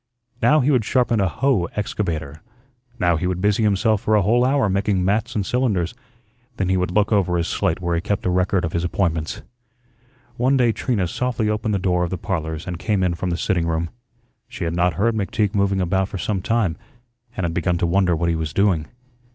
Now he would sharpen a "hoe" excavator, now he would busy himself for a whole hour making "mats" and "cylinders." Then he would look over his slate where he kept a record of his appointments. One day Trina softly opened the door of the "Parlors" and came in from the sitting room. She had not heard McTeague moving about for some time and had begun to wonder what he was doing.